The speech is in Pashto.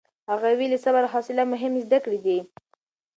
هغې ویلي، صبر او حوصله مهمې زده کړې دي.